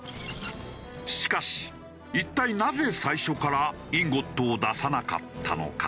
しかし一体なぜ最初からインゴットを出さなかったのか？